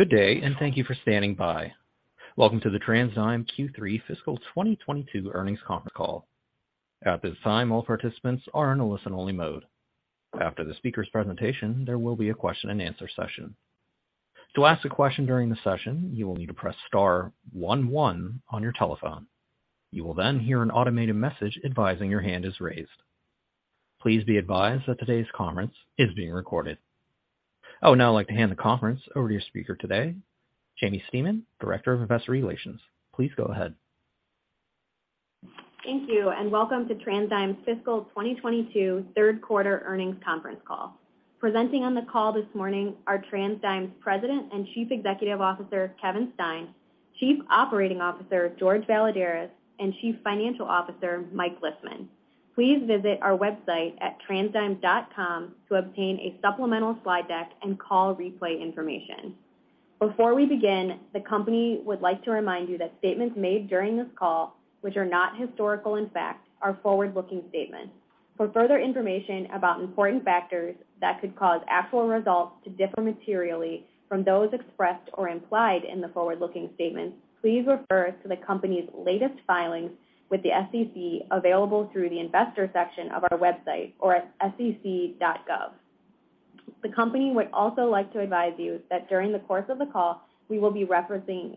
Good day, and thank you for standing by. Welcome to the TransDigm Q3 Fiscal 2022 Earnings Conference Call. At this time, all participants are in a listen-only mode. After the speaker's presentation, there will be a question-and-answer session. To ask a question during the session, you will need to press star one one on your telephone. You will then hear an automated message advising your hand is raised. Please be advised that today's conference is being recorded. I would now like to hand the conference over to your speaker today, Jaimie Stemen, Director of Investor Relations. Please go ahead. Thank you, and welcome to TransDigm's Fiscal 2022 Third Quarter Earnings Conference Call. Presenting on the call this morning are TransDigm's President and Chief Executive Officer, Kevin Stein, Chief Operating Officer, Jorge Valladares, and Chief Financial Officer, Mike Lisman. Please visit our website at transdigm.com to obtain a supplemental slide deck and call replay information. Before we begin, the company would like to remind you that statements made during this call, which are not historical in fact, are forward-looking statements. For further information about important factors that could cause actual results to differ materially from those expressed or implied in the forward-looking statements, please refer to the company's latest filings with the SEC available through the investor section of our website or at sec.gov. The company would also like to advise you that during the course of the call, we will be referring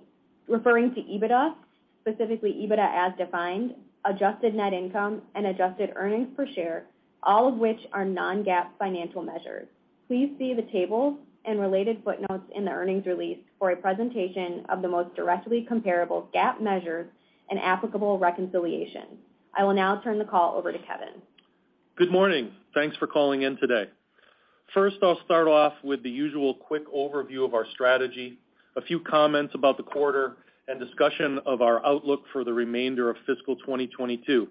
to EBITDA, specifically EBITDA as defined, adjusted net income, and adjusted earnings per share, all of which are non-GAAP financial measures. Please see the table and related footnotes in the earnings release for a presentation of the most directly comparable GAAP measures and applicable reconciliation. I will now turn the call over to Kevin. Good morning. Thanks for calling in today. First, I'll start off with the usual quick overview of our strategy, a few comments about the quarter, and discussion of our outlook for the remainder of fiscal 2022.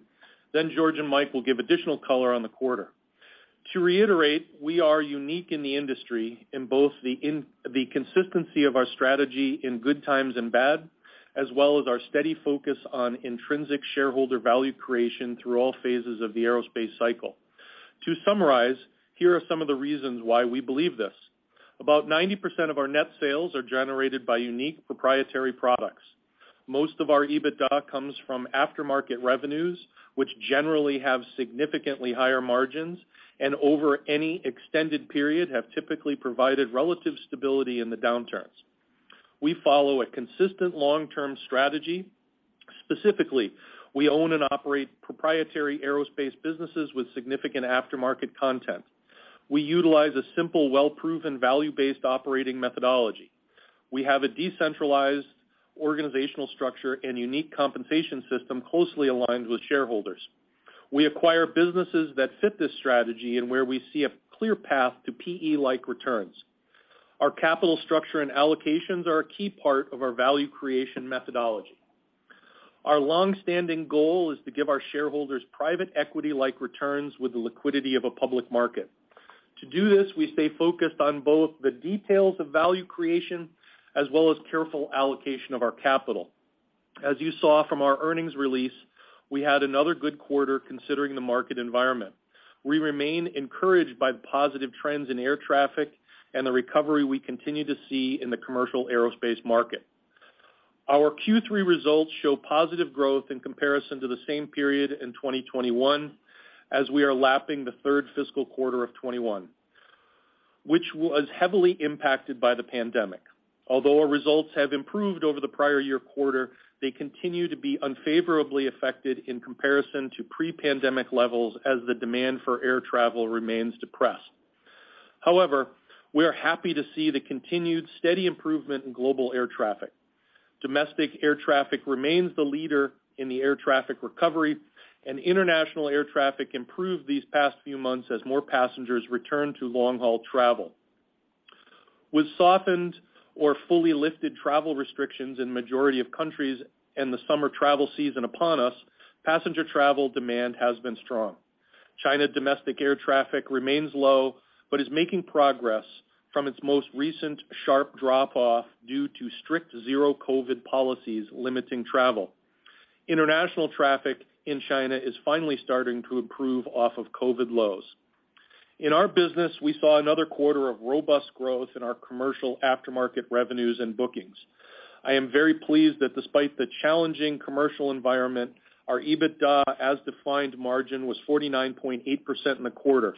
Then Jorge and Mike will give additional color on the quarter. To reiterate, we are unique in the industry in both the consistency of our strategy in good times and bad, as well as our steady focus on intrinsic shareholder value creation through all phases of the aerospace cycle. To summarize, here are some of the reasons why we believe this. About 90% of our net sales are generated by unique proprietary products. Most of our EBITDA comes from aftermarket revenues, which generally have significantly higher margins, and over any extended period have typically provided relative stability in the downturns. We follow a consistent long-term strategy. Specifically, we own and operate proprietary aerospace businesses with significant aftermarket content. We utilize a simple, well-proven, value-based operating methodology. We have a decentralized organizational structure and unique compensation system closely aligned with shareholders. We acquire businesses that fit this strategy and where we see a clear path to PE-like returns. Our capital structure and allocations are a key part of our value creation methodology. Our long-standing goal is to give our shareholders private equity-like returns with the liquidity of a public market. To do this, we stay focused on both the details of value creation as well as careful allocation of our capital. As you saw from our earnings release, we had another good quarter considering the market environment. We remain encouraged by the positive trends in air traffic and the recovery we continue to see in the commercial aerospace market. Our Q3 results show positive growth in comparison to the same period in 2021, as we are lapping the third fiscal quarter of 2021, which was heavily impacted by the pandemic. Although our results have improved over the prior year quarter, they continue to be unfavorably affected in comparison to pre-pandemic levels as the demand for air travel remains depressed. However, we are happy to see the continued steady improvement in global air traffic. Domestic air traffic remains the leader in the air traffic recovery, and international air traffic improved these past few months as more passengers return to long-haul travel. With softened or fully lifted travel restrictions in majority of countries and the summer travel season upon us, passenger travel demand has been strong. China domestic air traffic remains low but is making progress from its most recent sharp drop-off due to strict zero COVID policies limiting travel. International traffic in China is finally starting to improve off of COVID lows. In our business, we saw another quarter of robust growth in our commercial aftermarket revenues and bookings. I am very pleased that despite the challenging commercial environment, our EBITDA as defined margin was 49.8% in the quarter.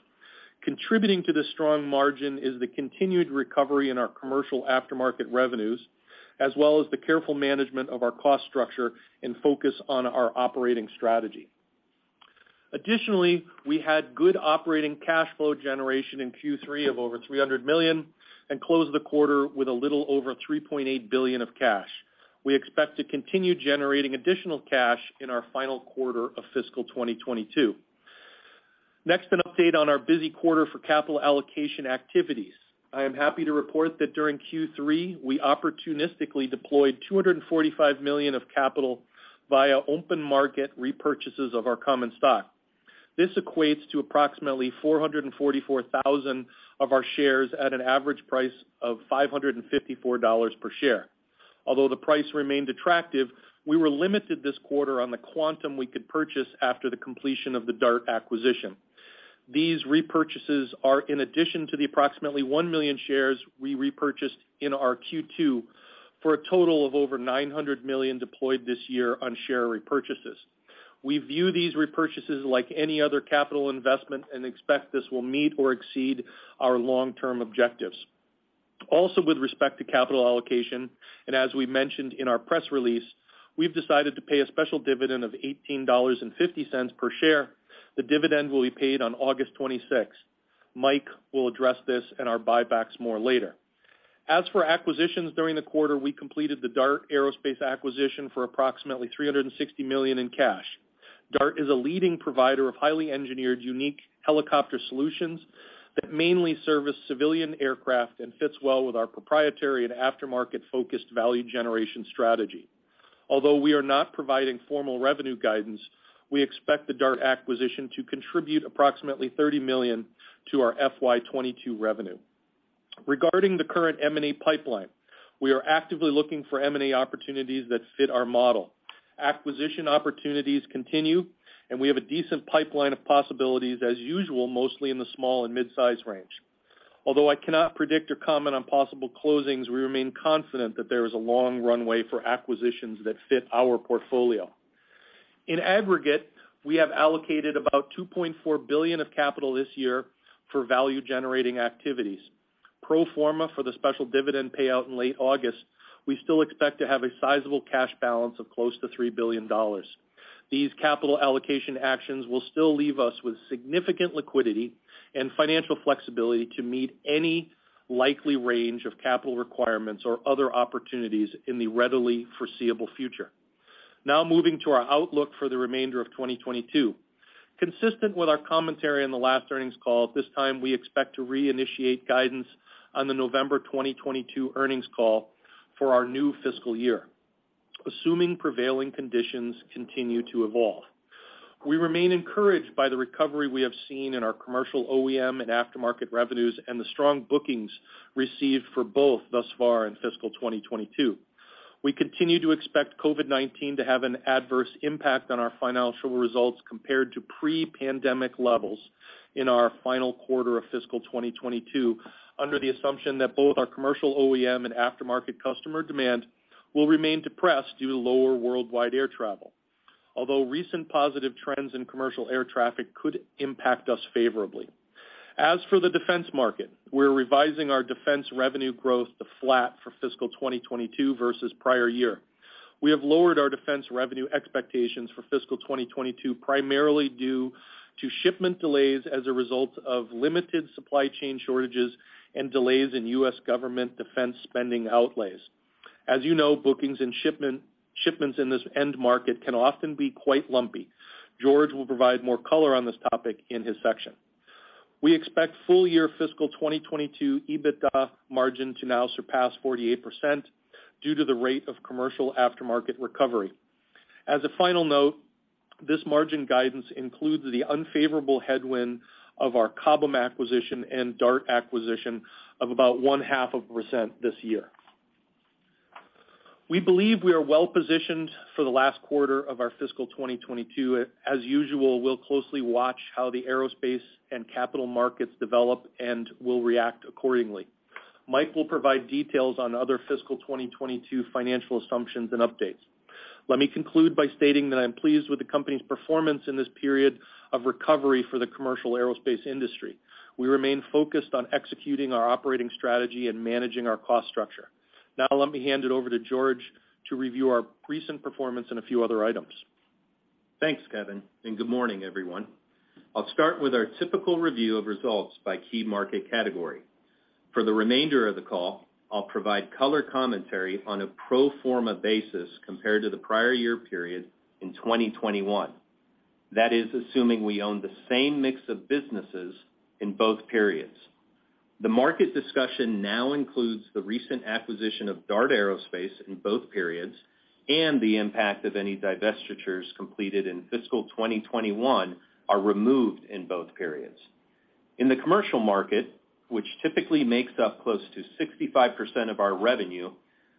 Contributing to this strong margin is the continued recovery in our commercial aftermarket revenues, as well as the careful management of our cost structure and focus on our operating strategy. Additionally, we had good operating cash flow generation in Q3 of over $300 million and closed the quarter with a little over $3.8 billion of cash. We expect to continue generating additional cash in our final quarter of fiscal 2022. Next, an update on our busy quarter for capital allocation activities. I am happy to report that during Q3, we opportunistically deployed $245 million of capital via open market repurchases of our common stock. This equates to approximately 444,000 of our shares at an average price of $554 per share. Although the price remained attractive, we were limited this quarter on the quantum we could purchase after the completion of the Dart acquisition. These repurchases are in addition to the approximately 1,000,000 shares we repurchased in our Q2, for a total of over $900 million deployed this year on share repurchases. We view these repurchases like any other capital investment and expect this will meet or exceed our long-term objectives. Also with respect to capital allocation, and as we mentioned in our press release, we've decided to pay a special dividend of $18.50 per share. The dividend will be paid on August 26th. Mike will address this and our buybacks more later. As for acquisitions during the quarter, we completed the DART Aerospace acquisition for approximately $360 million in cash. DART is a leading provider of highly engineered unique helicopter solutions that mainly service civilian aircraft and fits well with our proprietary and aftermarket-focused value generation strategy. Although we are not providing formal revenue guidance, we expect the DART acquisition to contribute approximately $30 million to our FY 2022 revenue. Regarding the current M&A pipeline, we are actively looking for M&A opportunities that fit our model. Acquisition opportunities continue, and we have a decent pipeline of possibilities as usual, mostly in the small and midsize range. Although I cannot predict or comment on possible closings, we remain confident that there is a long runway for acquisitions that fit our portfolio. In aggregate, we have allocated about $2.4 billion of capital this year for value-generating activities. Pro forma for the special dividend payout in late August, we still expect to have a sizable cash balance of close to $3 billion. These capital allocation actions will still leave us with significant liquidity and financial flexibility to meet any likely range of capital requirements or other opportunities in the readily foreseeable future. Now moving to our outlook for the remainder of 2022. Consistent with our commentary on the last earnings call, at this time we expect to reinitiate guidance on the November 2022 earnings call for our new fiscal year, assuming prevailing conditions continue to evolve. We remain encouraged by the recovery we have seen in our commercial OEM and aftermarket revenues and the strong bookings received for both thus far in fiscal 2022. We continue to expect COVID-19 to have an adverse impact on our financial results compared to pre-pandemic levels in our final quarter of fiscal 2022, under the assumption that both our commercial OEM and aftermarket customer demand will remain depressed due to lower worldwide air travel. Although recent positive trends in commercial air traffic could impact us favorably. As for the defense market, we're revising our defense revenue growth to flat for fiscal 2022 versus prior year. We have lowered our defense revenue expectations for fiscal 2022, primarily due to shipment delays as a result of limited supply chain shortages and delays in U.S. government defense spending outlays. As you know, bookings and shipments in this end market can often be quite lumpy. Jorge will provide more color on this topic in his section. We expect full-year fiscal 2022 EBITDA margin to now surpass 48% due to the rate of commercial aftermarket recovery. This margin guidance includes the unfavorable headwind of our Cobham acquisition and DART acquisition of about 0.5% this year. We believe we are well positioned for the last quarter of our fiscal 2022. We'll closely watch how the aerospace and capital markets develop and will react accordingly. Mike will provide details on other fiscal 2022 financial assumptions and updates. Let me conclude by stating that I'm pleased with the company's performance in this period of recovery for the commercial aerospace industry. We remain focused on executing our operating strategy and managing our cost structure. Now let me hand it over to Jorge to review our recent performance and a few other items. Thanks, Kevin, and good morning, everyone. I'll start with our typical review of results by key market category. For the remainder of the call, I'll provide color commentary on a pro forma basis compared to the prior year period in 2021. That is assuming we own the same mix of businesses in both periods. The market discussion now includes the recent acquisition of DART Aerospace in both periods, and the impact of any divestitures completed in fiscal 2021 are removed in both periods. In the commercial market, which typically makes up close to 65% of our revenue,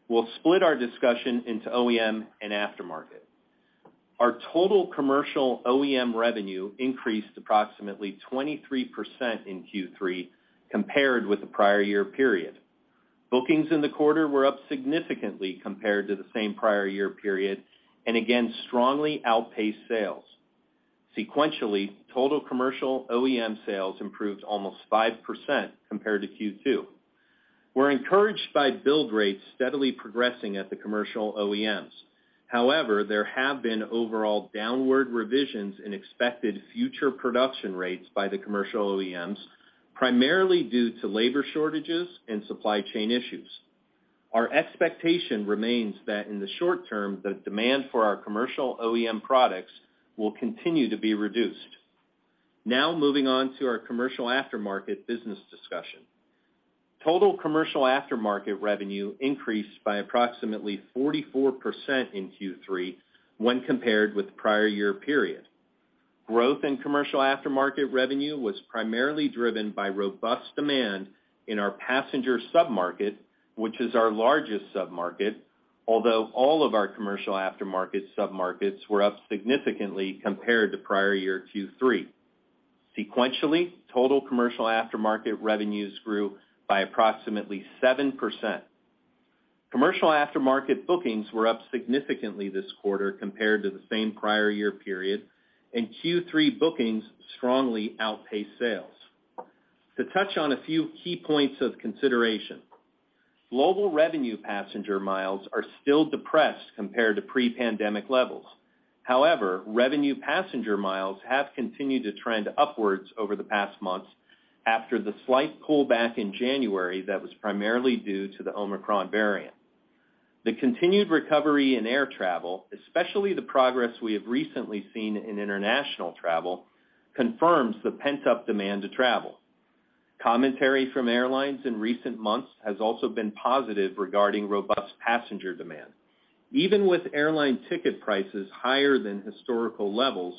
we'll split our discussion into OEM and aftermarket. Our total commercial OEM revenue increased approximately 23% in Q3 compared with the prior year period. Bookings in the quarter were up significantly compared to the same prior year period, and again, strongly outpaced sales. Sequentially, total commercial OEM sales improved almost 5% compared to Q2. We're encouraged by build rates steadily progressing at the commercial OEMs. However, there have been overall downward revisions in expected future production rates by the commercial OEMs, primarily due to labor shortages and supply chain issues. Our expectation remains that in the short term, the demand for our commercial OEM products will continue to be reduced. Now moving on to our commercial aftermarket business discussion. Total commercial aftermarket revenue increased by approximately 44% in Q3 when compared with the prior year period. Growth in commercial aftermarket revenue was primarily driven by robust demand in our passenger sub-market, which is our largest sub-market, although all of our commercial aftermarket sub-markets were up significantly compared to prior year Q3. Sequentially, total commercial aftermarket revenues grew by approximately 7%. Commercial aftermarket bookings were up significantly this quarter compared to the same prior year period, and Q3 bookings strongly outpaced sales. To touch on a few key points of consideration, global revenue passenger miles are still depressed compared to pre-pandemic levels. However, revenue passenger miles have continued to trend upwards over the past months after the slight pullback in January that was primarily due to the Omicron variant. The continued recovery in air travel, especially the progress we have recently seen in international travel, confirms the pent-up demand to travel. Commentary from airlines in recent months has also been positive regarding robust passenger demand. Even with airline ticket prices higher than historical levels,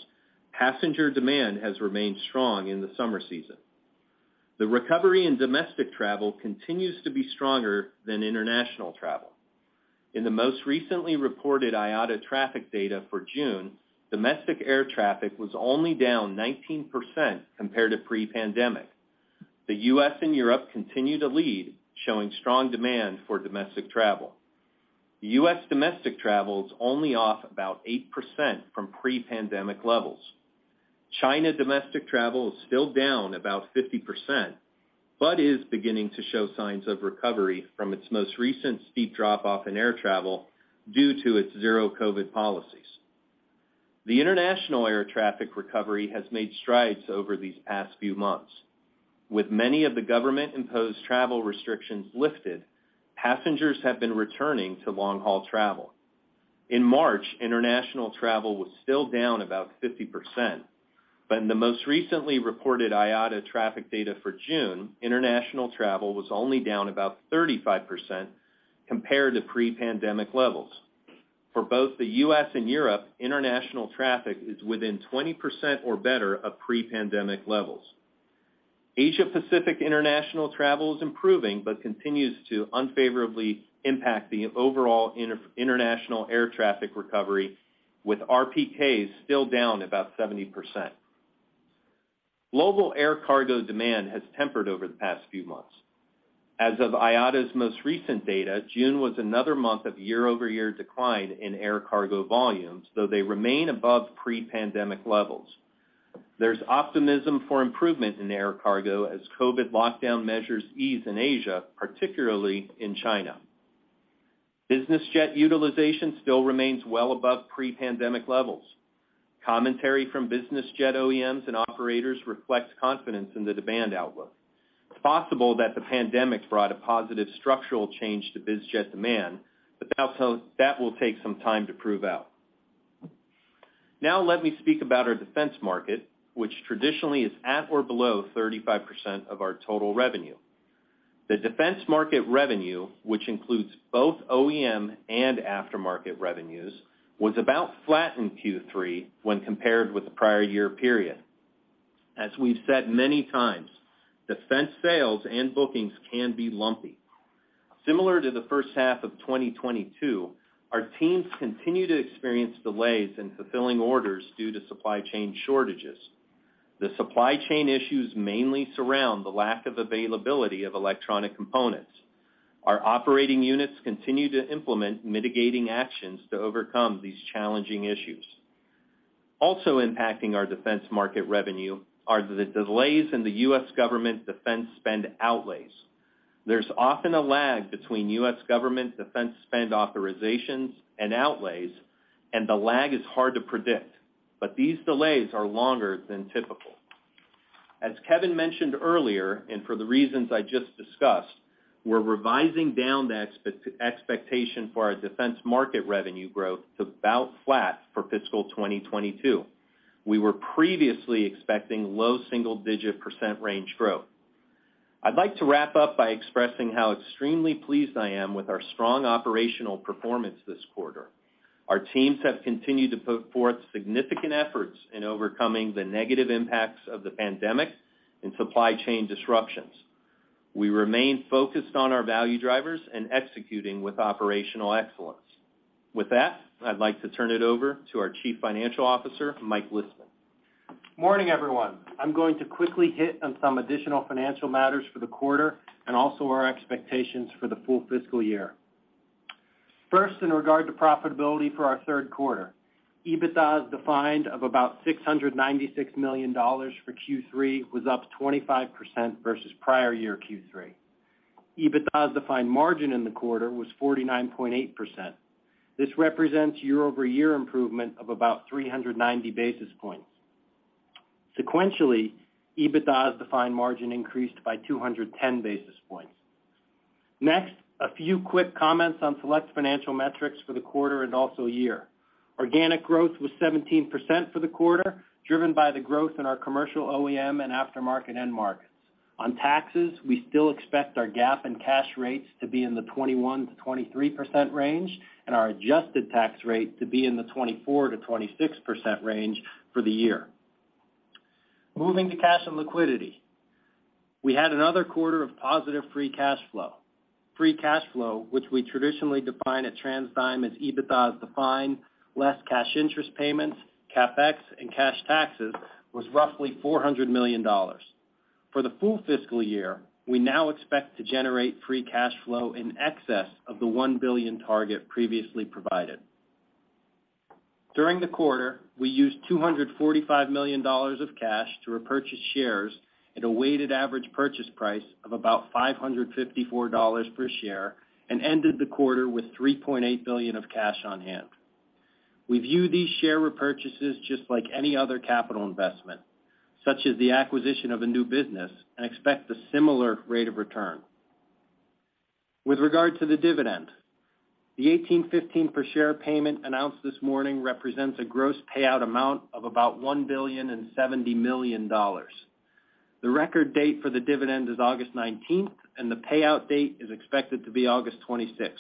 passenger demand has remained strong in the summer season. The recovery in domestic travel continues to be stronger than international travel. In the most recently reported IATA traffic data for June, domestic air traffic was only down 19% compared to pre-pandemic. The US and Europe continue to lead, showing strong demand for domestic travel. The US domestic travel is only off about 8% from pre-pandemic levels. China domestic travel is still down about 50%, but is beginning to show signs of recovery from its most recent steep drop-off in air travel due to its zero COVID policies. The international air traffic recovery has made strides over these past few months. With many of the government-imposed travel restrictions lifted, passengers have been returning to long-haul travel. In March, international travel was still down about 50%, but in the most recently reported IATA traffic data for June, international travel was only down about 35% compared to pre-pandemic levels. For both the US and Europe, international traffic is within 20% or better of pre-pandemic levels. Asia-Pacific international travel is improving, but continues to unfavorably impact the overall inter-international air traffic recovery, with RPKs still down about 70%. Global air cargo demand has tempered over the past few months. As of IATA's most recent data, June was another month of year-over-year decline in air cargo volumes, though they remain above pre-pandemic levels. There's optimism for improvement in air cargo as COVID lockdown measures ease in Asia, particularly in China. Business jet utilization still remains well above pre-pandemic levels. Commentary from business jet OEMs and operators reflects confidence in the demand outlook. It's possible that the pandemic brought a positive structural change to biz jet demand, but that will take some time to prove out. Now let me speak about our defense market, which traditionally is at or below 35% of our total revenue. The defense market revenue, which includes both OEM and aftermarket revenues, was about flat in Q3 when compared with the prior year period. As we've said many times, defense sales and bookings can be lumpy. Similar to the first half of 2022, our teams continue to experience delays in fulfilling orders due to supply chain shortages. The supply chain issues mainly surround the lack of availability of electronic components. Our operating units continue to implement mitigating actions to overcome these challenging issues. Also impacting our defense market revenue are the delays in the U.S. government defense spending outlays. There's often a lag between U.S. government defense spending authorizations and outlays, and the lag is hard to predict, but these delays are longer than typical. As Kevin mentioned earlier, and for the reasons I just discussed, we're revising down the expectation for our defense market revenue growth to about flat for fiscal 2022. We were previously expecting low single-digit percentage range growth. I'd like to wrap up by expressing how extremely pleased I am with our strong operational performance this quarter. Our teams have continued to put forth significant efforts in overcoming the negative impacts of the pandemic and supply chain disruptions. We remain focused on our value drivers and executing with operational excellence. With that, I'd like to turn it over to our Chief Financial Officer, Mike Lisman. Morning, everyone. I'm going to quickly hit on some additional financial matters for the quarter and also our expectations for the full fiscal year. First, in regard to profitability for our third quarter, EBITDA as defined of about $696 million for Q3 was up 25% versus prior year Q3. EBITDA as defined margin in the quarter was 49.8%. This represents year-over-year improvement of about 390 basis points. Sequentially, EBITDA as defined margin increased by 210 basis points. Next, a few quick comments on select financial metrics for the quarter and also year. Organic growth was 17% for the quarter, driven by the growth in our commercial OEM and aftermarket end market. On taxes, we still expect our GAAP and cash rates to be in the 21%-23% range and our adjusted tax rate to be in the 24%-26% range for the year. Moving to cash and liquidity. We had another quarter of positive free cash flow. Free cash flow, which we traditionally define at TransDigm as EBITDA as defined, less cash interest payments, CapEx, and cash taxes, was roughly $400 million. For the full fiscal year, we now expect to generate free cash flow in excess of the $1 billion target previously provided. During the quarter, we used $245 million of cash to repurchase shares at a weighted average purchase price of about $554 per share and ended the quarter with $3.8 billion of cash on hand. We view these share repurchases just like any other capital investment, such as the acquisition of a new business, and expect a similar rate of return. With regard to the dividend, the $18.15 per share payment announced this morning represents a gross payout amount of about $1.07 billion. The record date for the dividend is August 19th, and the payout date is expected to be August 26th.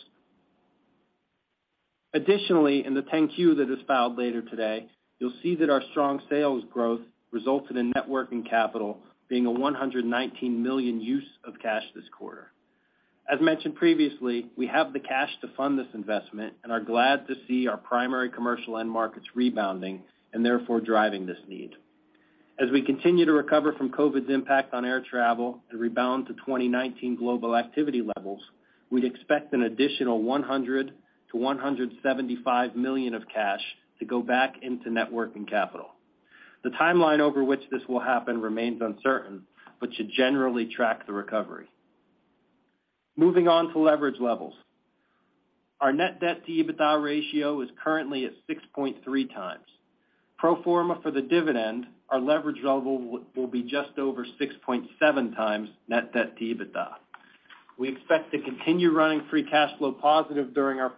Additionally, in the 10-Q that is filed later today, you'll see that our strong sales growth resulted in net working capital being a $119 million use of cash this quarter. As mentioned previously, we have the cash to fund this investment and are glad to see our primary commercial end markets rebounding and therefore driving this need. As we continue to recover from COVID's impact on air travel and rebound to 2019 global activity levels, we'd expect an additional $100 million-$175 million of cash to go back into net working capital. The timeline over which this will happen remains uncertain, but should generally track the recovery. Moving on to leverage levels. Our net debt-to-EBITDA ratio is currently at 6.3x. Pro forma for the dividend, our leverage level will be just over 6.7x net debt to EBITDA. We expect to continue running free cash flow positive during our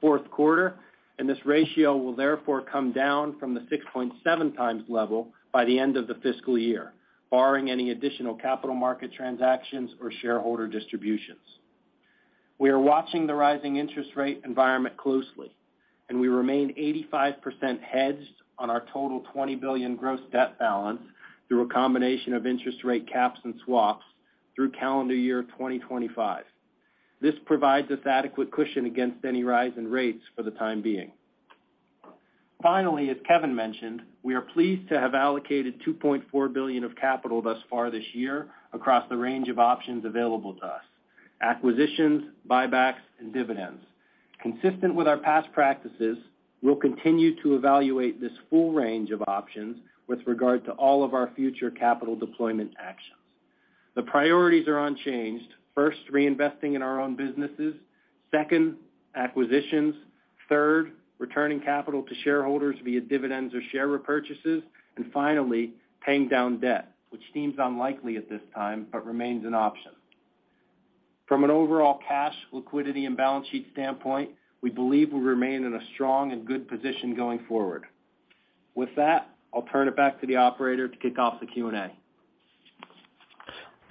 fourth quarter, and this ratio will therefore come down from the 6.7x level by the end of the fiscal year, barring any additional capital market transactions or shareholder distributions. We are watching the rising interest rate environment closely, and we remain 85% hedged on our total $20 billion gross debt balance through a combination of interest rate caps and swaps through calendar year 2025. This provides us adequate cushion against any rise in rates for the time being. Finally, as Kevin mentioned, we are pleased to have allocated $2.4 billion of capital thus far this year across the range of options available to us, acquisitions, buybacks and dividends. Consistent with our past practices, we'll continue to evaluate this full range of options with regard to all of our future capital deployment actions. The priorities are unchanged. First, reinvesting in our own businesses. Second, acquisitions. Third, returning capital to shareholders via dividends or share repurchases. Finally, paying down debt, which seems unlikely at this time, but remains an option. From an overall cash liquidity and balance sheet standpoint, we believe we'll remain in a strong and good position going forward. With that, I'll turn it back to the operator to kick off the Q&A.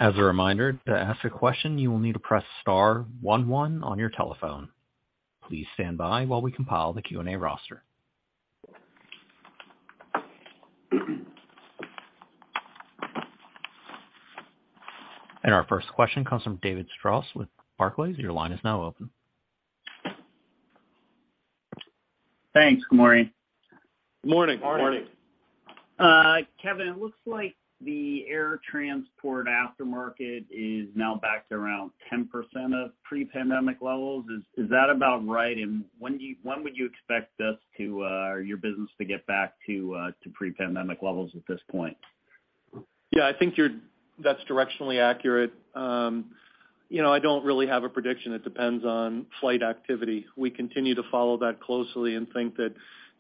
As a reminder, to ask a question, you will need to press star one one on your telephone. Please stand by while we compile the Q&A roster. Our first question comes from David Strauss with Barclays. Your line is now open. Thanks. Good morning. Good morning. Morning. Kevin, it looks like the air transport aftermarket is now back to around 10% of pre-pandemic levels. Is that about right? When would you expect this to, or your business to get back to pre-pandemic levels at this point? Yeah, I think that's directionally accurate. You know, I don't really have a prediction. It depends on flight activity. We continue to follow that closely and think that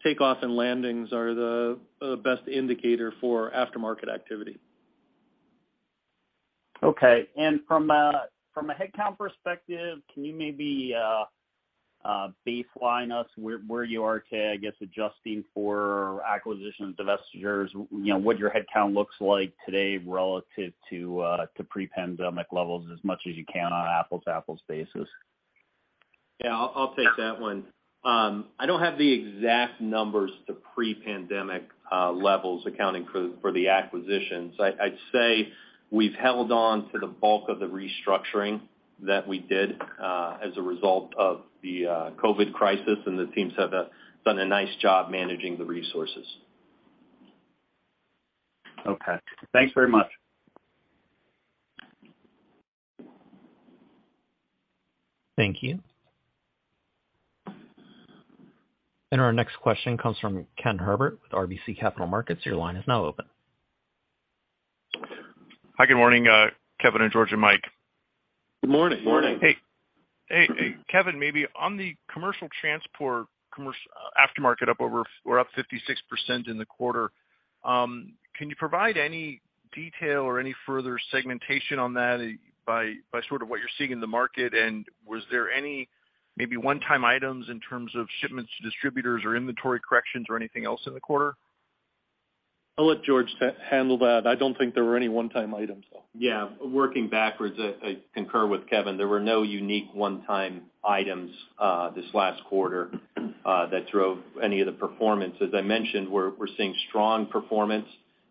takeoff and landings are the best indicator for aftermarket activity. Okay. From a headcount perspective, can you maybe baseline us where you are today, I guess, adjusting for acquisitions, divestitures, you know, what your headcount looks like today relative to pre-pandemic levels as much as you can on an apples-to-apples basis? Yeah, I'll take that one. I don't have the exact numbers to pre-pandemic levels accounting for the acquisitions. I'd say we've held on to the bulk of the restructuring that we did as a result of the COVID crisis, and the teams have done a nice job managing the resources. Okay. Thanks very much. Thank you. Our next question comes from Ken Herbert with RBC Capital Markets. Your line is now open. Hi, good morning, Kevin and Jorge and Mike. Good morning. Morning. Hey. Hey, Kevin, maybe on the commercial transport, commercial aftermarket up 56% in the quarter, can you provide any detail or any further segmentation on that by what you're seeing in the market? And was there any maybe one-time items in terms of shipments to distributors or inventory corrections or anything else in the quarter? I'll let Jorge Valladares handle that. I don't think there were any one-time items, though. Yeah. Working backwards, I concur with Kevin. There were no unique one-time items this last quarter that drove any of the performance. As I mentioned, we're seeing strong performance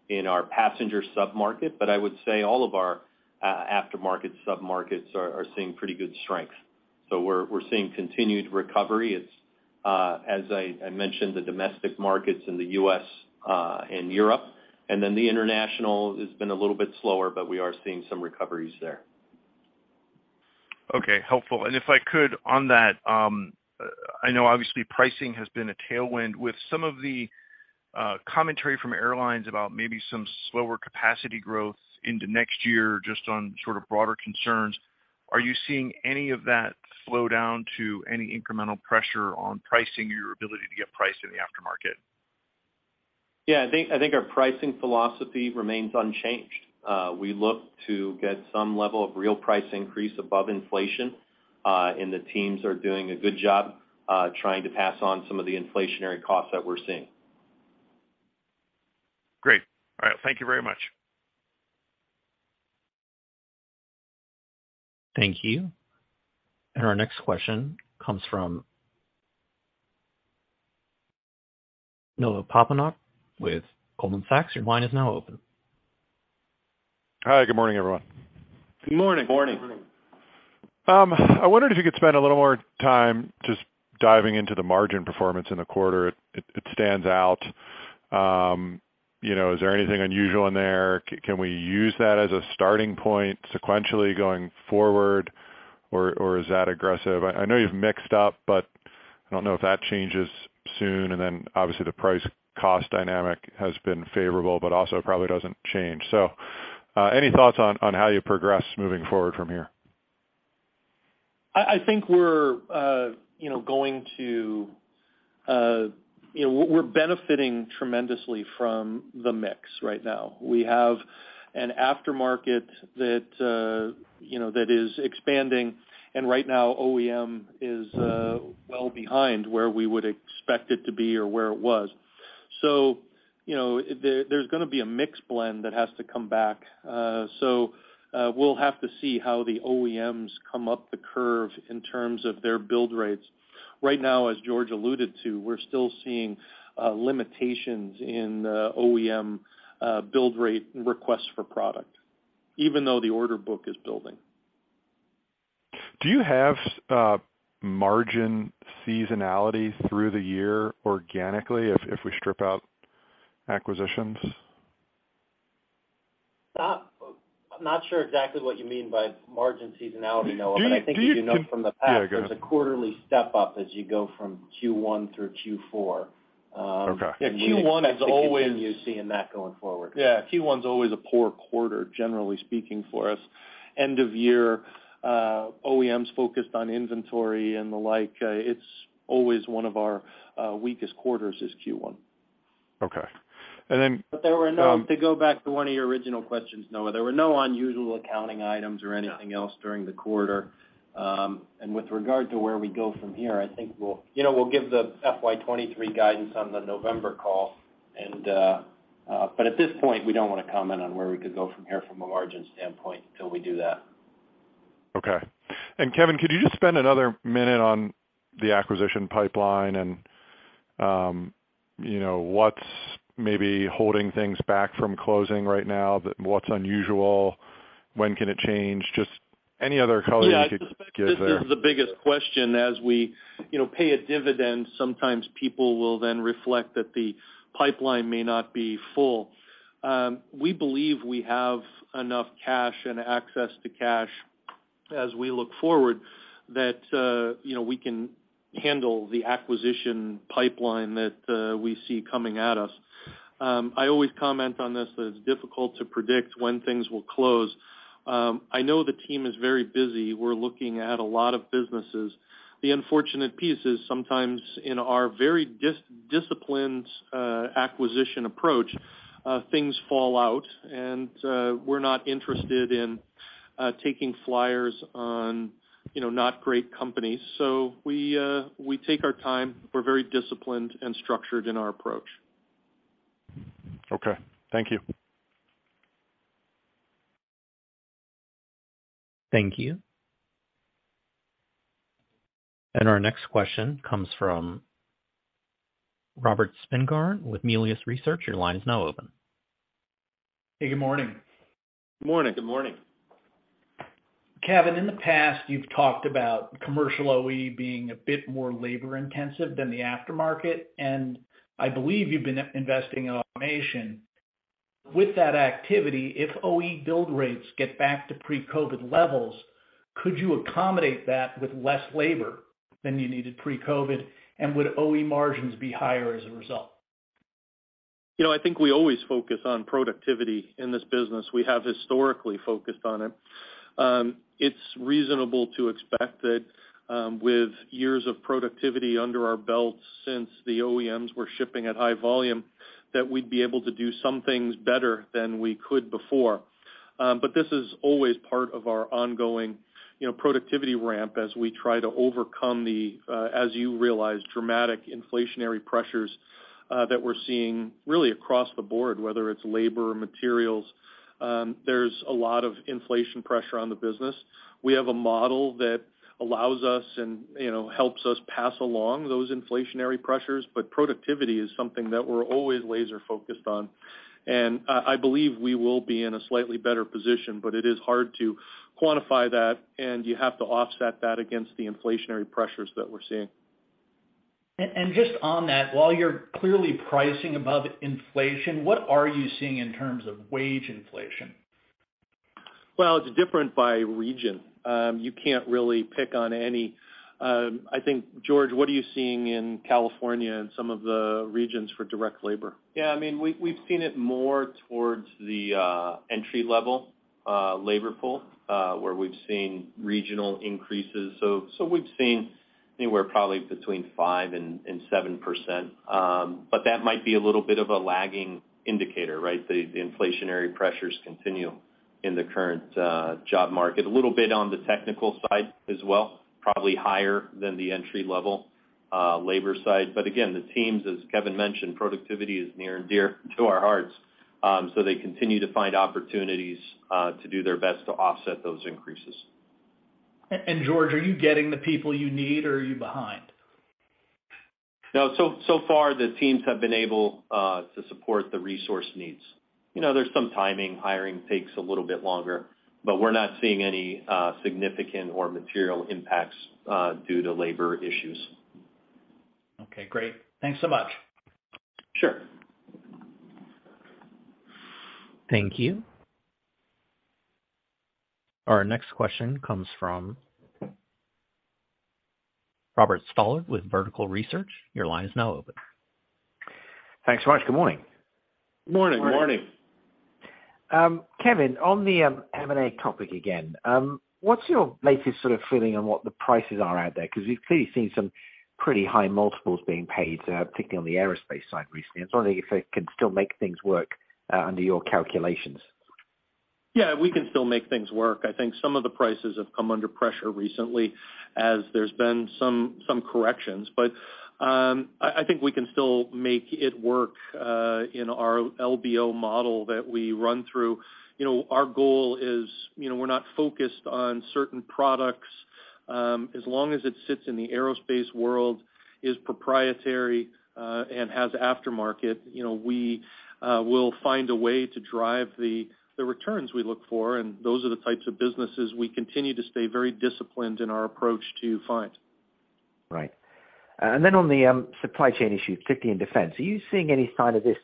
in our passenger sub-market, but I would say all of our aftermarket sub-markets are seeing pretty good strength. We're seeing continued recovery. It's as I mentioned, the domestic markets in the US and Europe, and then the international has been a little bit slower, but we are seeing some recoveries there. Okay, helpful. If I could on that, I know obviously pricing has been a tailwind. With some of the commentary from airlines about maybe some slower capacity growth into next year, just on sort of broader concerns, are you seeing any of that slow down to any incremental pressure on pricing or your ability to get price in the aftermarket? Yeah, I think our pricing philosophy remains unchanged. We look to get some level of real price increase above inflation, and the teams are doing a good job, trying to pass on some of the inflationary costs that we're seeing. Great. All right. Thank you very much. Thank you. Our next question comes from Noah Poponak with Goldman Sachs. Your line is now open. Hi, good morning, everyone. Good morning. Morning. I wondered if you could spend a little more time just diving into the margin performance in the quarter. It stands out. You know, is there anything unusual in there? Can we use that as a starting point sequentially going forward, or is that aggressive? I know you've guided up, but I don't know if that changes soon. Then obviously the price-cost dynamic has been favorable, but also probably doesn't change. Any thoughts on how you progress moving forward from here? I think you know we're benefiting tremendously from the mix right now. We have an aftermarket that you know that is expanding, and right now OEM is well behind where we would expect it to be or where it was. You know, there's gonna be a mix blend that has to come back. We'll have to see how the OEMs come up the curve in terms of their build rates. Right now, as Jorge alluded to, we're still seeing limitations in OEM build rate requests for product, even though the order book is building. Do you have margin seasonality through the year organically if we strip out acquisitions? I'm not sure exactly what you mean by margin seasonality, Noah. Do you think? I think you know from the past. Yeah, go ahead. There's a quarterly step-up as you go from Q1 through Q4. Okay. Yeah, Q1 is always. We expect to continue seeing that going forward. Yeah, Q1's always a poor quarter, generally speaking, for us. End of year, OEM's focused on inventory and the like. It's always one of our weakest quarters is Q1. Okay. To go back to one of your original questions, Noah, there were no unusual accounting items or anything else during the quarter. With regard to where we go from here, I think we'll, you know, we'll give the FY 2023 guidance on the November call. At this point, we don't wanna comment on where we could go from here from a margin standpoint until we do that. Okay. Kevin, could you just spend another minute on the acquisition pipeline and, you know, what's maybe holding things back from closing right now, but what's unusual, when can it change? Just any other color you could give there. Yeah, I suspect this is the biggest question. As we, you know, pay a dividend, sometimes people will then reflect that the pipeline may not be full. We believe we have enough cash and access to cash as we look forward that, you know, we can handle the acquisition pipeline that we see coming at us. I always comment on this that it's difficult to predict when things will close. I know the team is very busy. We're looking at a lot of businesses. The unfortunate piece is sometimes in our very disciplined acquisition approach, things fall out and we're not interested in taking flyers on, you know, not great companies. We take our time. We're very disciplined and structured in our approach. Okay. Thank you. Thank you. Our next question comes from Robert Spingarn with Melius Research. Your line is now open. Hey, good morning. Good morning. Good morning. Kevin, in the past, you've talked about commercial OE being a bit more labor-intensive than the aftermarket, and I believe you've been investing in automation. With that activity, if OE build rates get back to pre-COVID levels, could you accommodate that with less labor than you needed pre-COVID, and would OE margins be higher as a result? You know, I think we always focus on productivity in this business. We have historically focused on it. It's reasonable to expect that, with years of productivity under our belt since the OEMs were shipping at high volume, that we'd be able to do some things better than we could before. This is always part of our ongoing, you know, productivity ramp as we try to overcome, as you realize, dramatic inflationary pressures that we're seeing really across the board, whether it's labor or materials. There's a lot of inflation pressure on the business. We have a model that allows us and, you know, helps us pass along those inflationary pressures, but productivity is something that we're always laser focused on. I believe we will be in a slightly better position, but it is hard to quantify that, and you have to offset that against the inflationary pressures that we're seeing. Just on that, while you're clearly pricing above inflation, what are you seeing in terms of wage inflation? Well, it's different by region. You can't really pick on any. I think, Jorge, what are you seeing in California and some of the regions for direct labor? Yeah. I mean, we've seen it more towards the entry-level labor pool where we've seen regional increases. We've seen anywhere probably between 5%-7%. That might be a little bit of a lagging indicator, right? The inflationary pressures continue in the current job market. A little bit on the technical side as well, probably higher than the entry-level labor side. Again, the teams, as Kevin mentioned, productivity is near and dear to our hearts. They continue to find opportunities to do their best to offset those increases. Jorge, are you getting the people you need or are you behind? No. So far the teams have been able to support the resource needs. You know, there's some timing, hiring takes a little bit longer. We're not seeing any significant or material impacts due to labor issues. Okay, great. Thanks so much. Sure. Thank you. Our next question comes from Robert Stallard with Vertical Research Partners. Your line is now open. Thanks so much. Good morning. Morning. Morning. Kevin, on the M&A topic again, what's your latest sort of feeling on what the prices are out there? 'Cause we've clearly seen some pretty high multiples being paid, particularly on the aerospace side recently. I was wondering if it can still make things work under your calculations. Yeah, we can still make things work. I think some of the prices have come under pressure recently as there's been some corrections. I think we can still make it work in our LBO model that we run through. You know, our goal is, you know, we're not focused on certain products. As long as it sits in the aerospace world, is proprietary, and has aftermarket, you know, we will find a way to drive the returns we look for, and those are the types of businesses we continue to stay very disciplined in our approach to find. Right. On the supply chain issue, particularly in defense, are you seeing any sign of this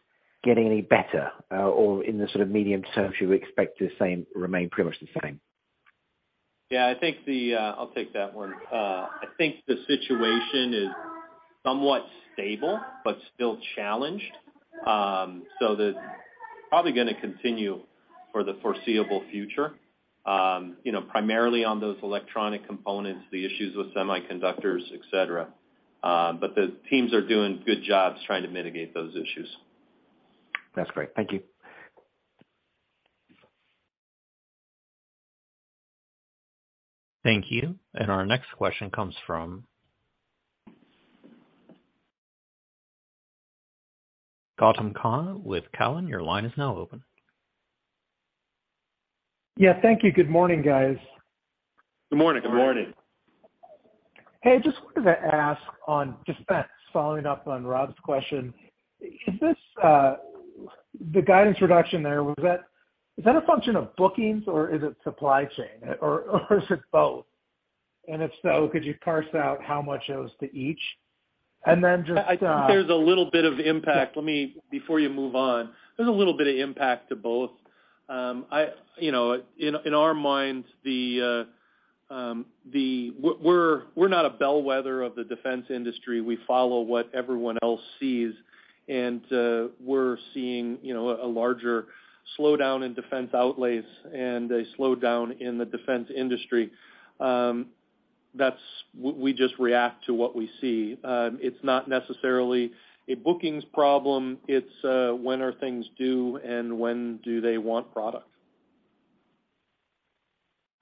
getting any better, or in the sort of medium term, should we expect the same remain pretty much the same? I think I'll take that one. I think the situation is somewhat stable but still challenged. That's probably gonna continue for the foreseeable future, you know, primarily on those electronic components, the issues with semiconductors, etc. The teams are doing good jobs trying to mitigate those issues. That's great. Thank you. Thank you. Our next question comes from Gautam Khanna with Cowen. Your line is now open. Yeah. Thank you. Good morning, guys. Good morning. Good morning. Hey, just wanted to ask on defense, following up on Rob's question. Is this, the guidance reduction there, is that a function of bookings or is it supply chain? Is it both? If so, could you parse out how much it was to each? Then just, I think there's a little bit of impact. Let me, before you move on, there's a little bit of impact to both. You know, in our minds, we're not a bellwether of the defense industry. We follow what everyone else sees, and we're seeing, you know, a larger slowdown in defense outlays and a slowdown in the defense industry. That's. We just react to what we see. It's not necessarily a bookings problem, it's when are things due and when do they want product.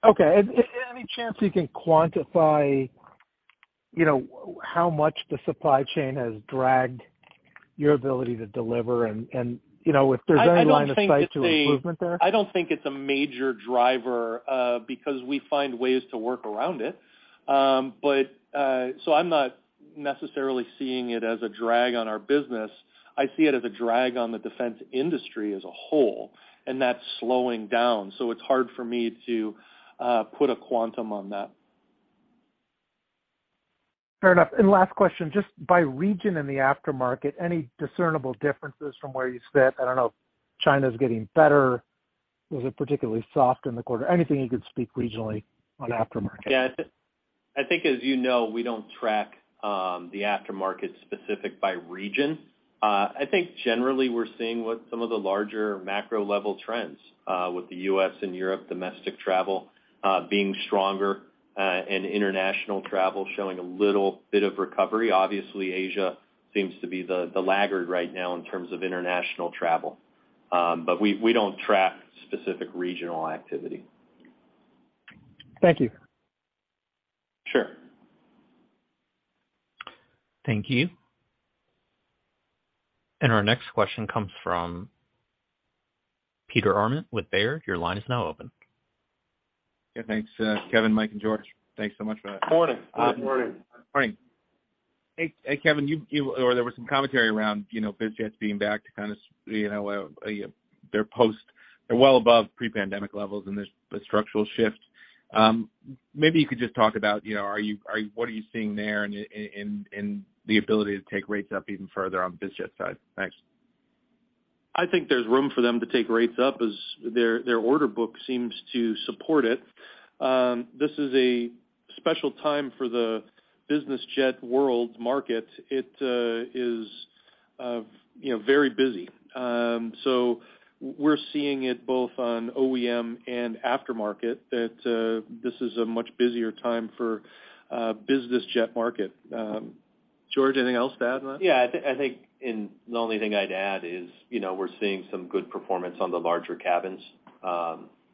Okay. Any chance you can quantify, you know, how much the supply chain has dragged your ability to deliver? You know, if there's any line of sight to improvement there? I don't think it's a major driver, because we find ways to work around it. I'm not necessarily seeing it as a drag on our business. I see it as a drag on the defense industry as a whole, and that's slowing down. It's hard for me to put a quantum on that. Fair enough. Last question, just by region in the aftermarket, any discernible differences from where you sit? I don't know if China's getting better. Was it particularly soft in the quarter? Anything you could speak regionally on aftermarket? Yeah. I think as you know, we don't track the aftermarket specific by region. I think generally we're seeing what some of the larger macro level trends with the U.S. and Europe domestic travel. Being stronger, and international travel showing a little bit of recovery. Obviously, Asia seems to be the laggard right now in terms of international travel. We don't track specific regional activity. Thank you. Sure. Thank you. Our next question comes from Peter Arment with Baird. Your line is now open. Yeah, thanks, Kevin, Mike, and Jorge. Thanks so much for that. Morning. Good morning. Morning. Hey, Kevin, or there was some commentary around, you know, biz jets being back to kind of, you know, their post. They're well above pre-pandemic levels, and there's a structural shift. Maybe you could just talk about, you know, what are you seeing there in the ability to take rates up even further on the biz jet side. Thanks. I think there's room for them to take rates up as their order book seems to support it. This is a special time for the business jet world market. It is, you know, very busy. We're seeing it both on OEM and aftermarket that this is a much busier time for business jet market. Jorge, anything else to add on that? Yeah, I think and the only thing I'd add is, you know, we're seeing some good performance on the larger cabins.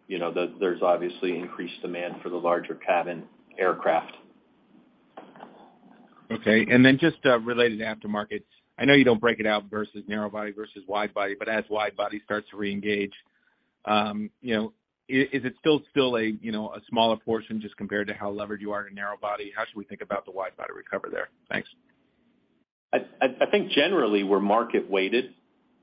You know, there's obviously increased demand for the larger cabin aircraft. Okay. Related to aftermarkets. I know you don't break it out versus narrow body versus wide body, but as wide body starts to reengage, you know, is it still a smaller portion just compared to how levered you are in narrow body? How should we think about the wide body recovery there? Thanks. I think generally we're market-weighted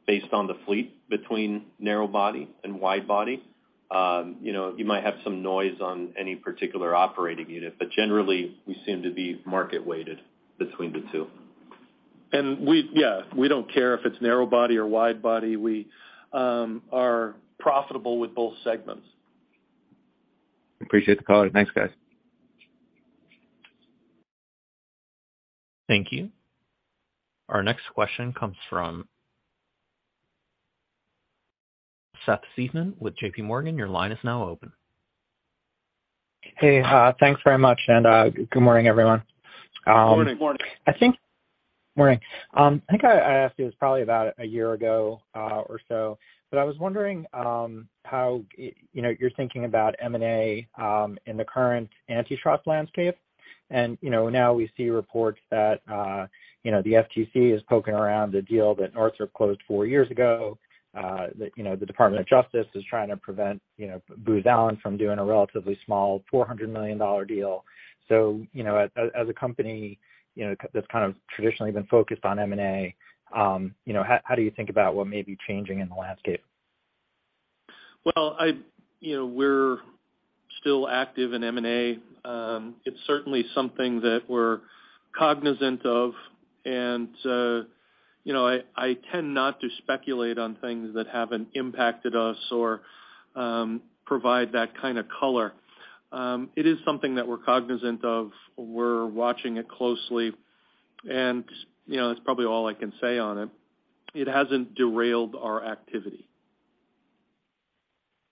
based on the fleet between narrow body and wide body. You know, you might have some noise on any particular operating unit, but generally, we seem to be market-weighted between the two. We don't care if it's narrow body or wide body. We are profitable with both segments. Appreciate the color. Thanks, guys. Thank you. Our next question comes from Seth Seifman with JPMorgan. Your line is now open. Hey, thanks very much. Good morning, everyone. Morning. Morning. Morning. I think I asked you this probably about a year ago, or so, but I was wondering, you know, how you know you're thinking about M&A in the current antitrust landscape. You know, now we see reports that you know the FTC is poking around a deal that Northrop Grumman closed four years ago, that you know the Department of Justice is trying to prevent, you know, Booz Allen Hamilton from doing a relatively small $400 million deal. You know, as a company that's kind of traditionally been focused on M&A, you know, how do you think about what may be changing in the landscape? Well, you know, we're still active in M&A. It's certainly something that we're cognizant of. You know, I tend not to speculate on things that haven't impacted us or provide that kind of color. It is something that we're cognizant of. We're watching it closely. You know, that's probably all I can say on it. It hasn't derailed our activity.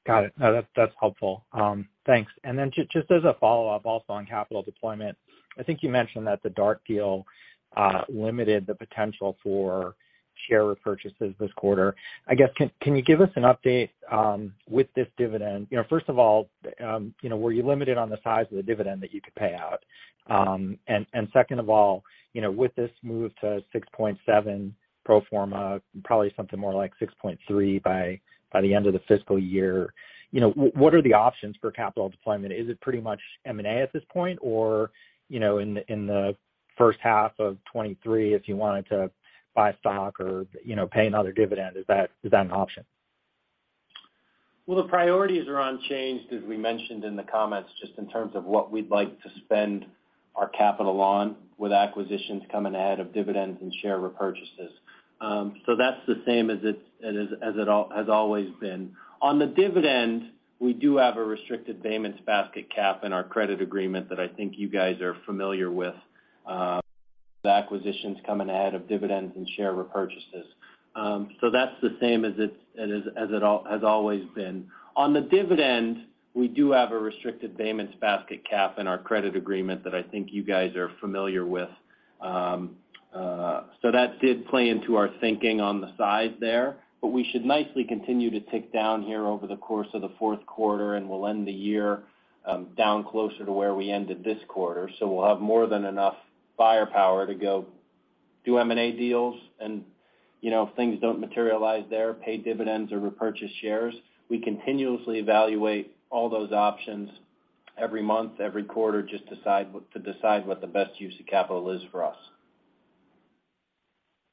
Got it. No, that's helpful. Thanks. Just as a follow-up also on capital deployment, I think you mentioned that the DART deal limited the potential for share repurchases this quarter. I guess, can you give us an update with this dividend? You know, first of all, you know, were you limited on the size of the dividend that you could pay out? And second of all, you know, with this move to 6.7 pro forma, probably something more like 6.3 by the end of the fiscal year, you know, what are the options for capital deployment? Is it pretty much M&A at this point? Or, you know, in the first half of 2023, if you wanted to buy stock or, you know, pay another dividend, is that an option? Well, the priorities are unchanged, as we mentioned in the comments, just in terms of what we'd like to spend our capital on with acquisitions coming ahead of dividends and share repurchases. That's the same as it has always been. On the dividend, we do have a restricted payments basket cap in our credit agreement that I think you guys are familiar with. That did play into our thinking on the side there, but we should nicely continue to tick down here over the course of the fourth quarter, and we'll end the year down closer to where we ended this quarter. We'll have more than enough firepower to go do M&A deals and, you know, if things don't materialize there, pay dividends or repurchase shares. We continuously evaluate all those options every month, every quarter to decide what the best use of capital is for us.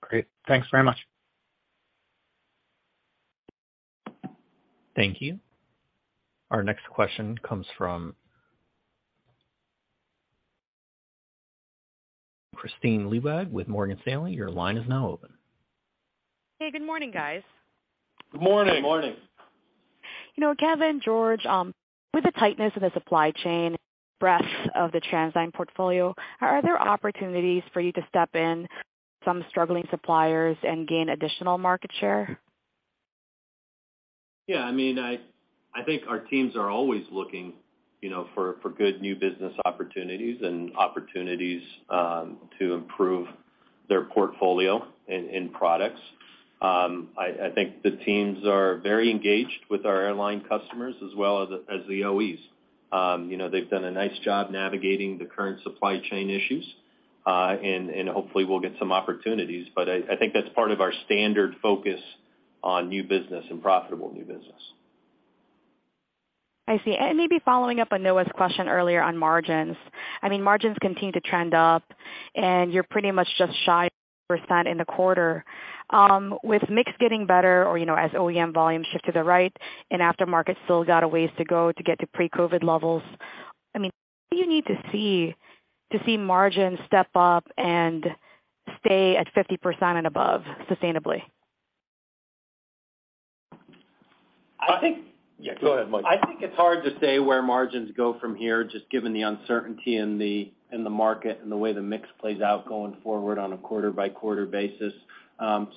Great. Thanks very much. Thank you. Our next question comes from Kristine Liwag with Morgan Stanley. Your line is now open. Hey, good morning, guys. Good morning. Morning. You know, Kevin, Jorge, with the tightness of the supply chain breadth of the TransDigm portfolio, are there opportunities for you to step in some struggling suppliers and gain additional market share? Yeah. I mean, I think our teams are always looking, you know, for good new business opportunities to improve their portfolio in products. I think the teams are very engaged with our airline customers as well as the OEMs. You know, they've done a nice job navigating the current supply chain issues, and hopefully we'll get some opportunities. I think that's part of our standard focus on new business and profitable new business. I see. Maybe following up on Noah's question earlier on margins. I mean, margins continue to trend up, and you're pretty much just shy of 50% in the quarter. With mix getting better or, you know, as OEM volumes shift to the right and aftermarket still got a ways to go to get to pre-COVID levels, I mean, what do you need to see to see margins step up and stay at 50% and above sustainably? I think. Yeah, go ahead, Mike. I think it's hard to say where margins go from here, just given the uncertainty in the market and the way the mix plays out going forward on a quarter-by-quarter basis.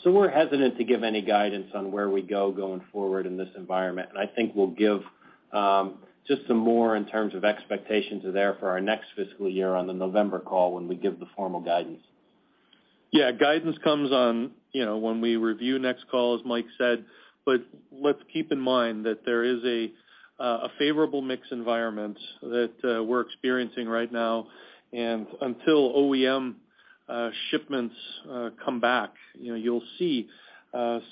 We're hesitant to give any guidance on where we go going forward in this environment. I think we'll give just some more in terms of expectations are there for our next fiscal year on the November call when we give the formal guidance. Yeah. Guidance comes on when we review next call, as Mike said. Let's keep in mind that there is a favorable mix environment that we're experiencing right now. Until OEM shipments come back, you know, you'll see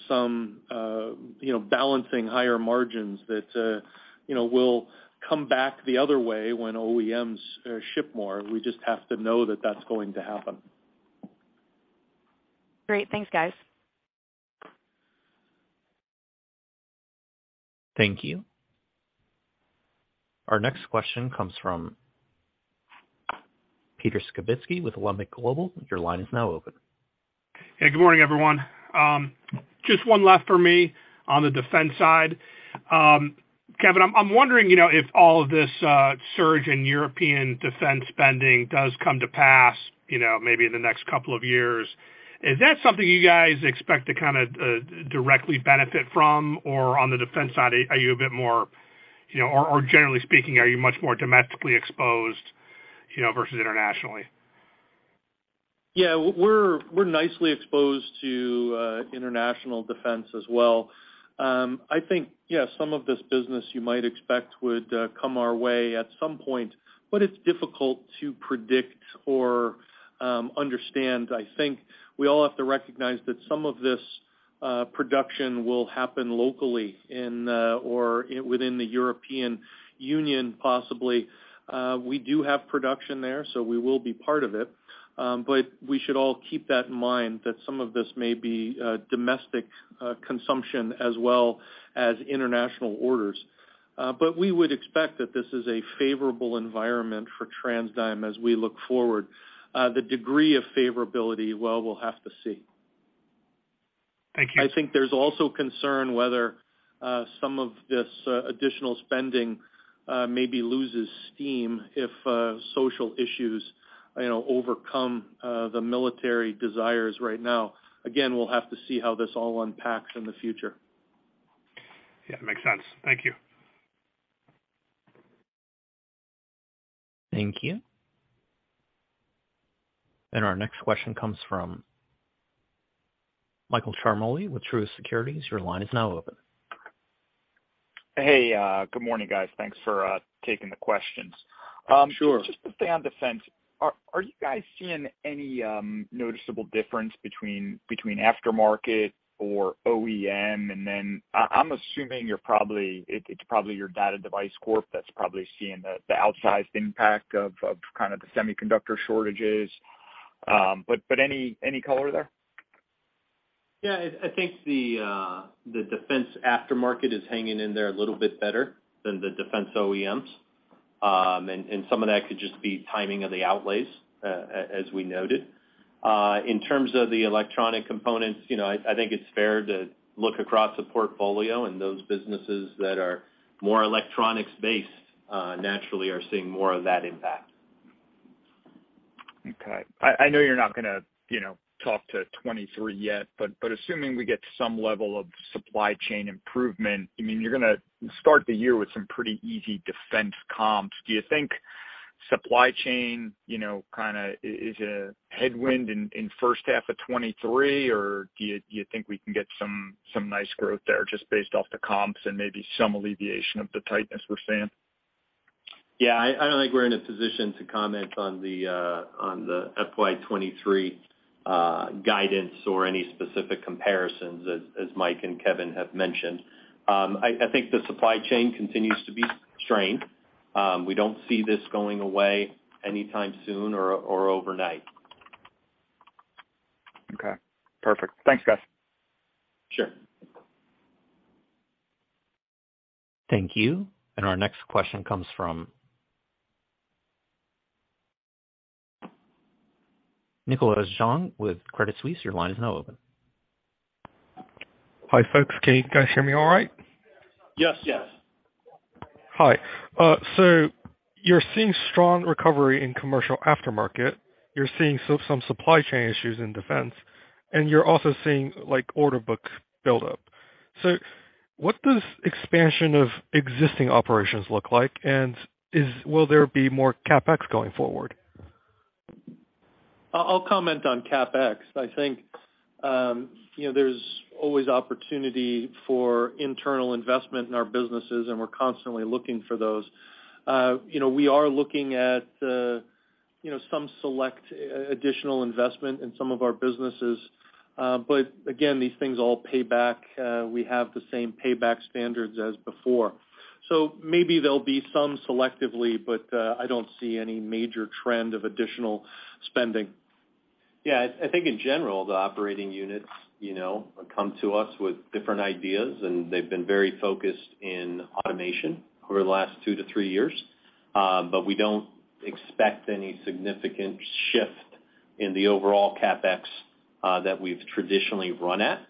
some you know balancing higher margins that you know will come back the other way when OEMs ship more. We just have to know that that's going to happen. Great. Thanks, guys. Thank you. Our next question comes from Peter Skibitski with Alembic Global. Your line is now open. Hey, good morning, everyone. Just one last for me on the defense side. Kevin, I'm wondering, you know, if all of this surge in European defense spending does come to pass, you know, maybe in the next couple of years, is that something you guys expect to kind of directly benefit from? Or on the defense side, are you a bit more, you know, or generally speaking, are you much more domestically exposed, you know, versus internationally? Yeah. We're nicely exposed to international defense as well. I think some of this business you might expect would come our way at some point, but it's difficult to predict or understand. I think we all have to recognize that some of this production will happen locally in or within the European Union, possibly. We do have production there, so we will be part of it. We should all keep that in mind, that some of this may be domestic consumption as well as international orders. We would expect that this is a favorable environment for TransDigm as we look forward. The degree of favorability, well, we'll have to see. Thank you. I think there's also concern whether some of this additional spending maybe loses steam if social issues, you know, overcome the military desires right now. We'll have to see how this all unpacks in the future. Yeah, makes sense. Thank you. Thank you. Our next question comes from Michael Ciarmoli with Truist Securities. Your line is now open. Hey, good morning, guys. Thanks for taking the questions. Sure. Just to stay on defense, are you guys seeing any noticeable difference between aftermarket or OEM? I'm assuming it's probably your Data Device Corporation that's probably seeing the outsized impact of kind of the semiconductor shortages. Any color there? Yeah. I think the defense aftermarket is hanging in there a little bit better than the defense OEMs. Some of that could just be timing of the outlays, as we noted. In terms of the electronic components, you know, I think it's fair to look across the portfolio, and those businesses that are more electronics-based, naturally are seeing more of that impact. Okay. I know you're not gonna, you know, talk to 2023 yet, but assuming we get some level of supply chain improvement, I mean, you're gonna start the year with some pretty easy defense comps. Do you think supply chain, you know, kinda is a headwind in first half of 2023, or do you think we can get some nice growth there just based off the comps and maybe some alleviation of the tightness we're seeing? Yeah. I don't think we're in a position to comment on the FY 2023 guidance or any specific comparisons, as Mike and Kevin have mentioned. I think the supply chain continues to be strained. We don't see this going away anytime soon or overnight. Okay. Perfect. Thanks, guys. Sure. Thank you. Our next question comes from Nicholas Zhang with Credit Suisse. Your line is now open. Hi, folks. Can you guys hear me all right? Yes. Yes. Hi. You're seeing strong recovery in commercial aftermarket. You're seeing some supply chain issues in defense, and you're also seeing, like, order book buildup. What does expansion of existing operations look like? Will there be more CapEx going forward? I'll comment on CapEx. I think, you know, there's always opportunity for internal investment in our businesses, and we're constantly looking for those. You know, we are looking at, you know, some selective additional investment in some of our businesses. But again, these things all pay back. We have the same payback standards as before. Maybe there'll be some selective, but I don't see any major trend of additional spending. Yeah. I think in general, the operating units, you know, come to us with different ideas, and they've been very focused in automation over the last 2-3 years. We don't expect any significant shift in the overall CapEx that we've traditionally run at.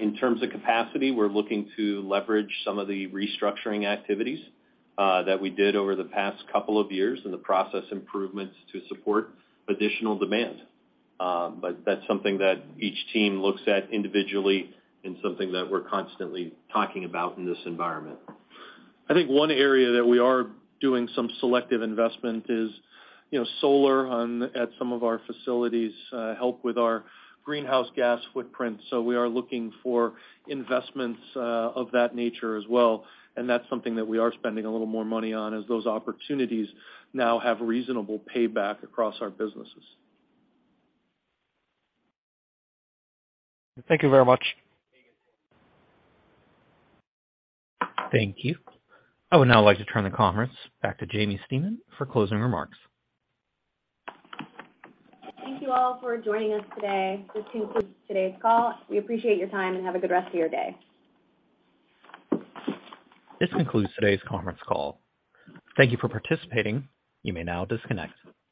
In terms of capacity, we're looking to leverage some of the restructuring activities that we did over the past couple of years and the process improvements to support additional demand. That's something that each team looks at individually and something that we're constantly talking about in this environment. I think one area that we are doing some selective investment is, you know, solar at some of our facilities help with our greenhouse gas footprint. We are looking for investments of that nature as well, and that's something that we are spending a little more money on as those opportunities now have reasonable payback across our businesses. Thank you very much. Take care. Thank you. I would now like to turn the conference back to Jaimie Stemen for closing remarks. Thank you all for joining us today. This concludes today's call. We appreciate your time, and have a good rest of your day. This concludes today's conference call. Thank you for participating. You may now disconnect.